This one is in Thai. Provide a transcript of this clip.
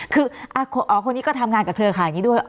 คืออ๋อคนนี้ก็ทำงานกับเครือข่ายนี้ด้วย